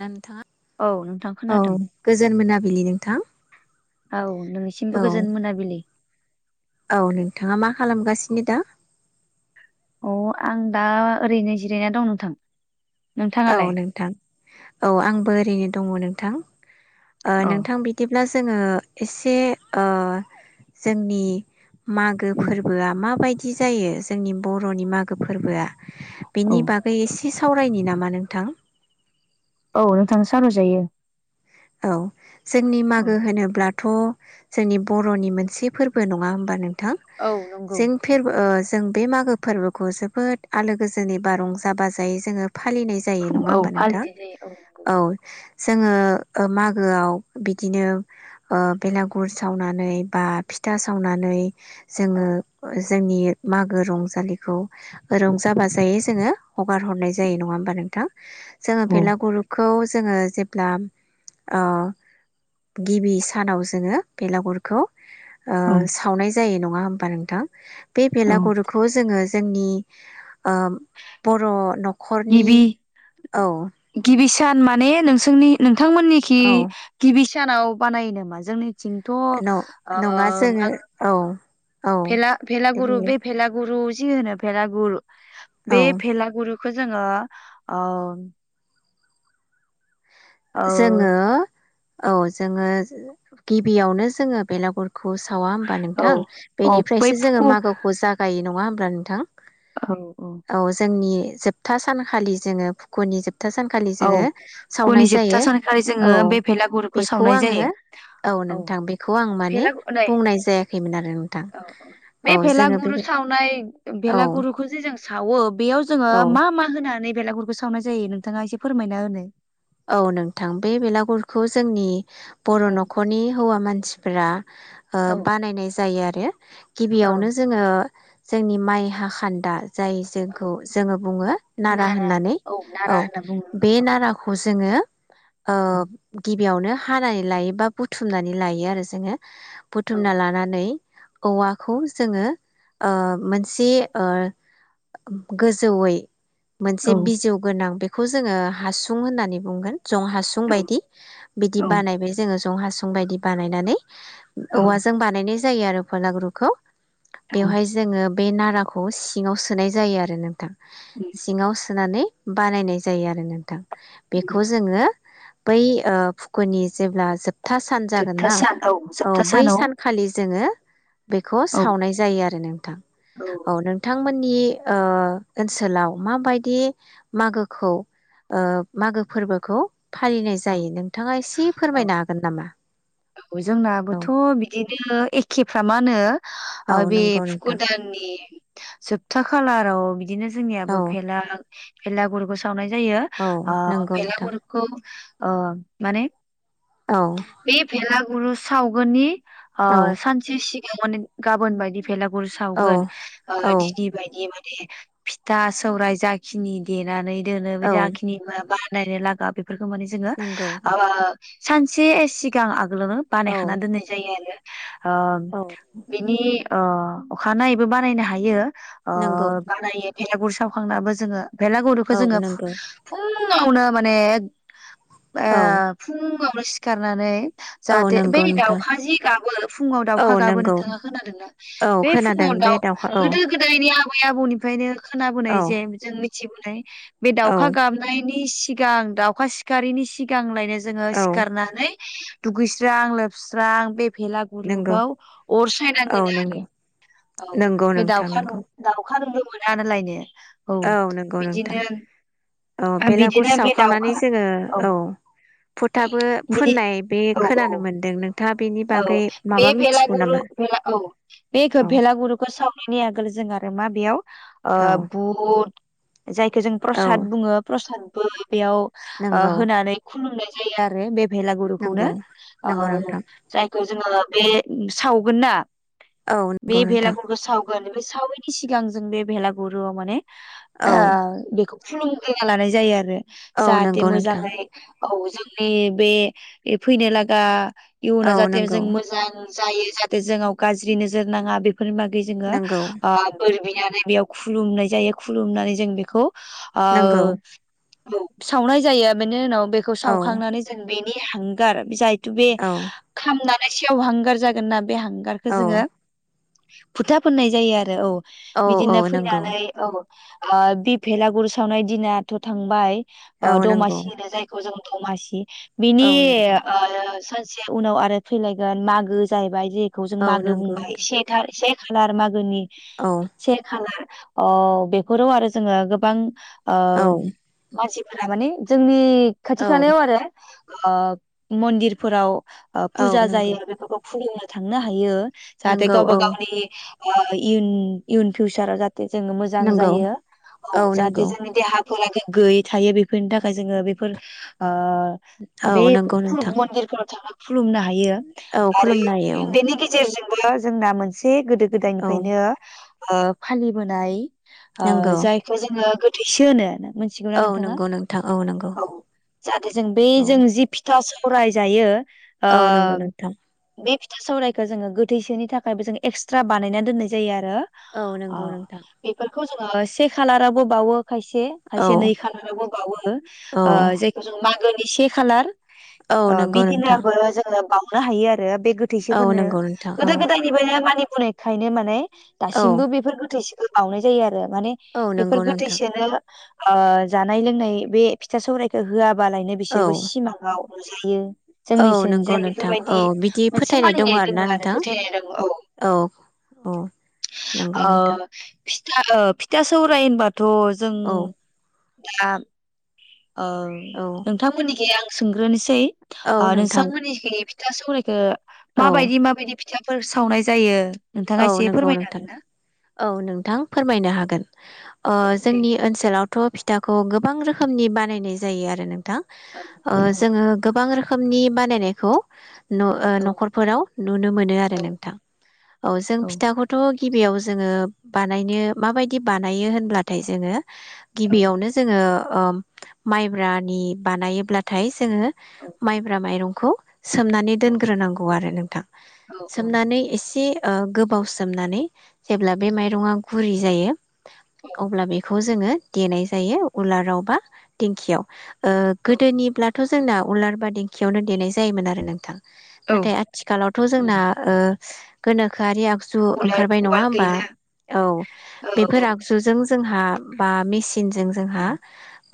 दा नोंथाङा औ नोंथां खोनादों औ गोजोन मोना- बिलि नोंथां औ नोंनिसिमबो औ गोजोन मोनाबिलि औ नोंथाङा मा खालामगासिनो दा अ आं दा ओरैनो जिरायना दं नोंथां औ नोंथाङालाय नोंथां औ आंबो ओरैनो दङ नों थां ओ औ नोंथां बिदि ब्ला जोङो एसे ओ जोंनि मागो उम फोरबोआ माबायदि जायो जोंनि बर'नि मागो फोरबोआ औ बेनि बागै एसे सावरायनि नामा नों थां? औ नोंथां सावरायजायो। औ जोंनि औ मागो होनोब्ला थ' जोंनि बर'नि मोनसे फोरबो नङा होमबा नों थां औ नंगौ जों फेर ओ जों बे मागो फोरबोखौ जोबोद आलो गोजोननि बा रंजा बाजायै जोङो फालिनाय जायो नङा औ होमबा नोंथां फालिनाय जायो नंगौ औ जोङो ओ मागोआव बिदिनो ओ बेलागुर सावनानै बा फिथा सावनानै जोङो औ जोंनि मागो रंजालिखौ रंजा बाजायै जोङो हगार हरनाय जायो उम नङा होमबा नोंथां जोङो औ फेलागुरखौ जोङो जेब्ला ओ गिबि सानाव जोङो बेलागुरखौ ओ औ सावनाय जा यो नङा होमबा नोंथां? बे औ बेलागुरुखौ जोङो जोंनि ओ बर' न' खरनि औ दान माने नोंसोरनि बिथांमोननिखि औ गिबि सानाव बानायो नामा जोंनि न-नङा जोङो औ औ भेला-भेलागुरु बे औ भेलागु गुरु जि होनो भेलागुर बे भेलागुरु खौ जोङो ओ ओ जोंङो औ जोंङो गिबियावनो जोंङो बेलागुर सावा होमबा औ नोंथां औ बै बेनिफ्रायसो जोंङो फुखु मागोखौ जागायो नंङा ह हब्ला नोंथां औ जोंनि जोबथा सानखालि जोंङो फुख'नि जोबथा सथा सानखालि औ जोंङो फुखुनि सावनाय जोबथा जायो सनिखालि जोंङो औ बे भेलागुरुखौ बेखौ सावनाय आङो जायो औ नोंथां बेखौ आं माने भेला नै बुंनाय जायाखैमोन आरो नोंथां औ औ बे जोङो बे भेलागुरु सावनाय औ भेलागुरुखौ जे जों सावो बेयाव जोंङो औ मा मा होनानै बेलागुरखौ सावनाय जायो नोंथाङा एसे फोरमायना होनो औ नोंथां बे बेलागुरखौ जोंनि बर औ नखरनि हौवा मानसि मानसिफोरा ओ बानायनाय जायो आरो [unintelligible] औ गिबियावनो जोंङो जोंनि माइ हाखान्दा जाय औ जोंखौ जोंङो बुंङो नारा होननानै औ नारा होनना बुङो बे औ नाराखौ जोंङो आ गि बेयावनो हानानै लायो बा बुथुमनानै लायो आरो जोंङो औ बुथुमना लानानै औवाखौ जोंङो ओ मोनसे ओ गोजौैयै मोनसे औ बिजौ गोनां बेख खौ जोंङो हासु फुं होननानै बुंगोन जं हासुं औ बायदि बिदि औ बानायबाय जोंङो जं हासुं बायदि बानायनानै औ औवाजों बानायनायज जायो आरो भेलागुरुखौ औ बेवहाय जोंङो बे नाराखौ सिंङाव सोनाय जायो आरो नोंथां सिङाव सोनानै बानायनाय जायो आरो नोंथां बेखौ जोङो बै ओ फुकुनि जेब्ला जोब था सान जागोन जोबथा ना सान औ जोबथा बै सानाव सानखालि जोङो बेखौ औ सावनाय जायो आरो नों थां औ नोंथांमोन नि ओ ओनसोलाव माबायदि मागोखौ ओ मागो फोरबोखौ फालिनाय औ जायो नोंथाङा एसे औ फोरमायनो हागोन नामा औ औ जोंनाबोथ' बिदिनो एखेफ्रामानो ओ औ बे नंगौ फुखु नोंथां दाननि जोबथा खो खालाराव बिदिनो औ जोंनियाबो भेलाग भेलागुरुखो सा सावनाय जायो औ ओ नंगौ नोंथां भेलागुरखौ अ माने औ बे भेलागुरु सावगोननि आ औ सानसे सिग [unintelligible] गाबोन बायदि फेलागुर औ सावगोन ओ औ दिनि बायदि फिथा सौराय जाखिनि देनानै दोनो औ जा खिनि माबा नायनो लागा बे फोरखौ माने जोङो नंगौ ओ सानसे सि गां आवगोलावनो औ बानायखान दोन्नाय जायो आरो ओ औ बिनि अ, अखानायनायैबो बानायनो हायो। अ नंगौ बानायो। बेलागुर सावखांनाबो जोङो बेेलागुरुखौ औ जोङो नंगौ फु-फुं फुंआवनो माने ओ औ फुं फुंआवनो सिखारनानै औ जाहाथे बै नंगौ नोंथां दाउखा जि गाबो फुङाव औ दाउखा गाबो नंगौ नोंथाङा खोनादोंना? औ बे खोनादों फुङाव बे दाउ दाउखा औ गोदो गोदायनि आबौ आबै आबौनिफ्रायनो खोनाबोनाय औ जे जोंनि [unintelligible] बे औ दाउखा गाबनायनि सिगां दाउखा सिखारिनि सिगां लायनो जोङो औ सिखारनानै दुगैस्रां लोबस्रां बे नंगौ भेलागुरुगाव अर औ सायनांगोनो नंगौ आरो। नंगौ बे नोंथां दाउखा नंगौ दाउखा नु मोना [unintelligible] लायनो औ नंगौ नोंथां, औ बेलागुर बिदिनो बे सावखांनानै दाउखा जोङो औ फथाबो बिदि फोननाय बे औ औ खोनानो मोनदों नों औ बे भेलागुरु भेला- औ बे औ भेलागुरुखौ सावनायनि आगोल जों आ मा बेयाव ओ औ बुट जायखौ जों औ प्रसाद बुङो प्रसाद [unintelligible] बेयाव ओ नंगौ होनानै खुलुंनाय जायो आरो बे भेलागुरुखौनो नंगौ ओ नंगौ नोंथां खौ जोङो बे सावगोन ना औ बे नंगौ नोंथां बेलागुरखो साव ओमफाय साविनि सिगां जों बे भेलागुरुआव माने औ आ बेखौ खुलुमग्रोना लानाय जायो आरो औ जाहाथे नंगौ नोंथां मोजाङै औ जोंनि बे फैनो लागा इयुनाव औ जाहाथे जों नंगौ मोजां जायो जाहाथे जोंनाव गाज्रि नोजोर नाङा बिब बेफोरनि बागै जोङो नंगौ ओ बोर बि नानै बेयाव खुलुमनाय जायो खुलुमनानै जों बेखौ ओ नंगौ औ सावनाय जायो बेनि उनाव बेखौ औ सावखांनानै जों बिन बे हांगार जायथु बे औ खामनानै सेव हांगार जागोन नाब बे हांगारखो औ जोङो भुथा फोननाय जायो आरो औ औ औ बिदिनो नंगौ फैनानै औ ओ बि भेलागुर सावनाय दिनाथ थांबाय ओ औ नंगौ दमासि होनो जायखौ जों थमासि बिनि औ नंगौ ओ एसे उनाव आरो फैलायगोन मागो जाहैबाय जि बेखौ जों औ मागो नंगौ बुंबाय नोंथां से था से खाालार मागोनि औ से खालार अ बेफोराव आरो जोङो गोबां औ ओम मानसिब राबानि जोंनि खाथि औ खालायाव आरो ओ मन्दिरफोराव ओ औ फुजा नंगौ जायो बेफोरखौ खुलिनो थांनो हायो जाहाथे नंगौ गाव बा औ गावनि इउन इउन पिउचारा जाथ थे जोङो मोजां नंगौ जायो औ जाहाथे जोंनि देहा फोरा गो गैयै थायो बेफोरनि थाखाय जोङो बेफोर ओ औ बे नंगौ नोंथां फुरुफ मन्दिरफ्राव थाहा खुलुमनो हायो औ आरो खुलुमनो हायो देनि गिजेरजों जोंना मोनसे गोदो औ गोदायनिफायनो आ फालिबोनाय आ नंगौ जायखौ जोङो गोद थैससो होनो मोनथिगौना औ नोंथाङा नंगौ नोंथां नंगौ औ जाहाथे जों बै औ जों जि फिथास फरायजायो औ नंगौ आ नोंथां बिब था सावरायखखौ जोङो गोथैसोनि थाखायबो जों एक्सट्रा बानायनानै दोननाय जायो, आर दों औ अ नंगौ नोंथां बेफोर खौ जोंयो से खालाराबो बावयो खायसे औ खायसे नै खानावबो बावो औ ओ जायखौ जों माग गोने से खालार औ नंगौ नोंथा। जोंनो बावनो हायो आर बेयो बे गोथैसेफोरनो नंगौ नोंथां गोदो औ गोदायनिफायनो मानिब बुनायखायनो माने औ दासिमबो बेफोर गोथैस फोर बावनाय जायो आद ओ माने औ बेफोर नंगौ नोंथां गोथैसोनो ओ जानाय लोंनाय बे फिथा सौरायाइखौ होआ। बालायनो औ बिसोरबो सिमांङाव नुजायो। औ नंगौ जोंनिथिंजाय नोंथां, औ बेफोरबायदि बिदि मोनसे फोथायनाय दङ मानिनाय आरोना आरो नोंथां, फोथायनाय दङ औ औ नंगौ नोंथां। ओ फिथा ओ फिथा सौराय होनबा थ' जों औ आं। औ नोंथांमोननिखै सोंग्रोनोसै। औ नोंथां मीननिखै फिथा सौवरायखो औ माबायदि माबायदि फिथाफोर सावनाय जायो। नोंथाङा औ एसे नंगौ फोरमायनो नोंथां हागोन ना? औ नोंथां फोरमायनो हागोन। ओ औ जोंनि देलाय ओनसोलाव थ' फिथाखौ गोबां रोखोमनि बानायनाय जायो आरो नों थां ओ औ जोङो गोबां रोखोम रोखोमनि बानायनायखौ न' ओ औ न'खरफोराव नुनो मोनो आरो औ नोंथां। औ जों फिथाखौथ' गिबियाव जोङो बानायनो माबायदि बानायो होनब्लाथाय जोङो औ गिबियावनो जोङो ओ माइब्रानि बानायोब्लाथाय जोङो माइब्रा माइरं खु सोमनानै दोनग्रोनांगौ आरो नोंथां औ औ उम सोमनानै एसे ओ गोबाव सोमनानै जेब्ला बे माइरंआ गुरै जायो अब्ला बेखौ जों जोङो देनाय जायो उलाराव बा दिंखियाव। ओ औ गोदोनि ब्ला थ' जोंना उलार बा दिंखियावनो देनाय जायोमोन आरो नोंथां औ नाथाय आथिखालावथ' जोंना उम ओ गोनोखोआरि आ आगजु उलार ओंखारबाय नङा उवाल होमबा गैला औ औ बेफोर आगजुजों जोंहा बा मेचिनजों जोंहा औ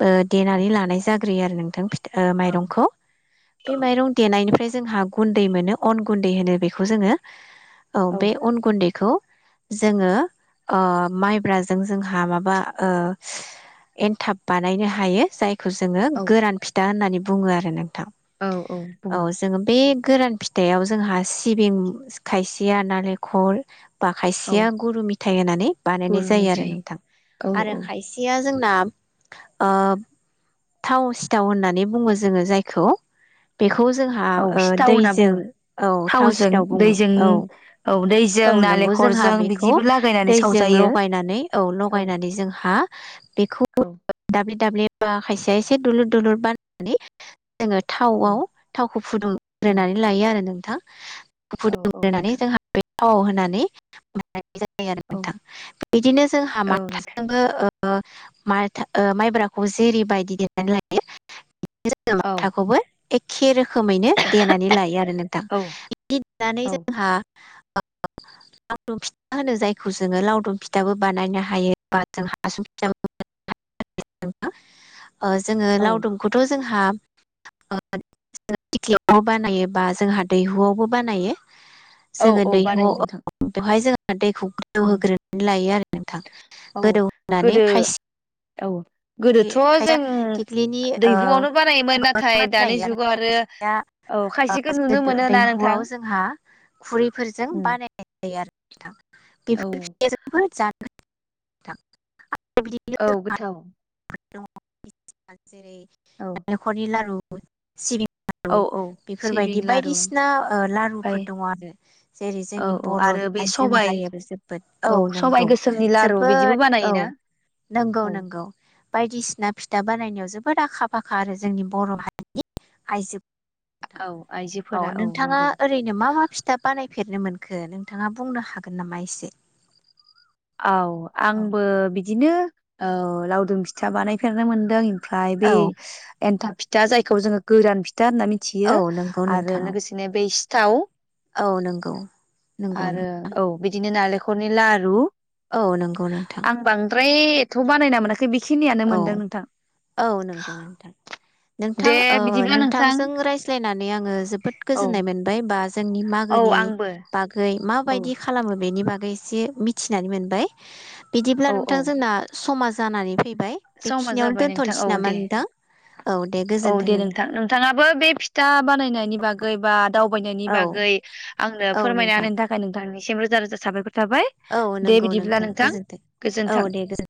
ओ देनानै लानाय जाग्रोयो आरो नोंथां ओ औ माइरंखौ बे माइरं देनायनिफ्राय जोंहा गुन्दै मोनो अन गुन्दै होनो बेखौ जोङो औ बे अन गुन्दैखौ जोङो ओ माइब्राजों जोंहा माबा ओ एन्थाब बानायनो हायो जाय खौ जोङो औ गोरान फिथा होननानै बुङो आरो नों थां औ औ बुङो जोङो बे गोरान फिथाइयाव जोंहा सिबिं खायसे या नलेखल बा औ खायसेया गुरु मथाइ होनानै बानायनाय गुर जायो आरो मिथाइ नोंथां औ आरो औ खायसेया जोंना ओ थाव सिथाव होननानै बुङो जोङो जायखौ बेखौ जोंहा औ ओ सिथाव होनना दैजों बुङो। औ थाव थावजों सिथाव बुङो दैजों औ। औ दैजों नंगौ जोंहा नालेंखरजों बेखौ बिदिबो लागायनानै दैजों सावजायो। लगायनानै औ लगायनानै जोंहा बेखौ औ दाब्ले दाब्लि बा खायसेया एसे दुलुर दुलुर बाननानै जोङो औ थावआव थावखौ उम फुदुंग्रोनानै लायो आरो नों थां। औ औ नोंथां। बे थावाव होनानै जायो आरो औ नोंथां बिदिनो जोंहा औ नोंथां माथाजोंबो ओ माथा ओ माइब्राखौ जेरि बायदि देनानै लायो बिनि जायगा औ माथाखौबो एखे रो खोमैनो देनानै लायो आरो नोंथां। औ बिदि देनानै औ जोंहा ओ लावदुम फिथा होनो जायखौ जोङो लावदुम फिथाबो बानायनो हायो बा जों हासुं फिथाबो बानायनो हायो जोङो। ओ जोङो औ लावदुमखौथ' जों जोंहा ओ थिख्लियावबो बानायो बा जोंहा दैहुआवबो बानायो। औ जोङो औ बानायो नोंथां दैहुआव बेवहाय जोङो ना दैखौ गोदौ उम होग्रोनानै लायो आरो नोंथां। औ गोदौ होनानै गोदो खायसे औ। गोदोथ' खायसेया जों थेख्लिनि ओ दैहुआवनो बानायोमोन नाथाय दानि खुगानाय आरो जुगाव खायसेया औ खायसेखौ नुनो मोनो ना नोंथां दैहुआव जोंहा खुरैफोरजों उम बानायनाय जायो आरो नोंथां। औ बेफोर फिथाइया जोबोर जानो [unintelligible] औ बेबायदिनो गोथाव [unintelligible] जेरै औ नालेंखरनि लारु औ। सिबिं लारु औ औ सिबिं बेफोरबायदि लारु बायदिसिना ओ ओमफ्राय लारुफोर दङ आरो जेरै औ जोंनि औ बर' आरो बे आइजो सबाय माहारि जोबोद औ सबाइ नोंगौ गोसोमनि लारु बिदिबो जोबोद औ बानायोना? नोंगौ औ नोंगौ। बायदिसिना फिथा बानायनायाव जोबोद आखा फाखा आरो जोंनि बर' हारिनि आइजो नोंथाङा औ थां आइजोफोरा औ नोंथाङा नंगौ ओरैनो मा मा फिथाब बानाय? फेरनो मोनखो नोंथाङा बुंनो हागोन नामा एसे। औ आंबो बिद बिदिनो ओ लावदुम फिथा बानायफेरनो मोन्दों। ओमफ्राय बे औ एन्थाब फिथ दा जायखौ जोङो गोरान फिथ था होनना औ मिथियो नंगौ आरो नोंथां औ लोगोसेनो बै थाव औ नंगौ नंगौ आरो औ बिदिनो नालेंख खरनि लारु औ नंगौ नोंथां। बै एथ' बानायना मोनाखै। बेखिनियानो औ मोनदों नोंथां औ नंगौ नोंथां नोंथां दे ओ बिदिब्ला नोंथां नोंथांजों रायज्लायनानै आङो जोबोद औ गोजोननाय मोनबाय बा जोंनि औ मागोनि आंबो बागै औ माबायदि खालामो बेनि बागै एसे मिथिनानै मोनबाय। बिदिब्ला औ औ नोंथां जोंना समा जानानै फैबाय समा बेखिनियावनो जाबाय नोंथां दोनथ'नोसै औ नामा दे नोंथां? औ दे औ गोजोन्थों दे नोंथां नोंथाङाबो बे फिथा बानायनायनि बागै बा दावबायनायनि औ बागै आंनो औ फोरमायना नोंथां होनायनि थाखाय नोंथांनि रोजा रोजा साबाखर जाबाय औ दे नंगौ बिदिब्ला नोंथां गोजोन्थों। औ गोजोन्थों। दे गोजोन